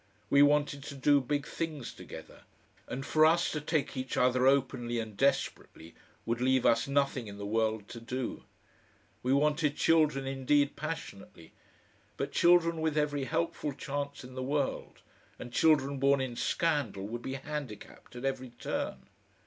We wanted to do big things together, and for us to take each other openly and desperately would leave us nothing in the world to do. We wanted children indeed passionately, but children with every helpful chance in the world, and children born in scandal would be handicapped at every turn.